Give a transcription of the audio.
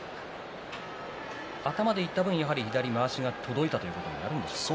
頭でいった分、左まわしが届いたということですか。